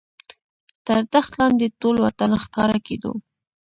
تر دښت لاندې ټول وطن ښکاره کېدو.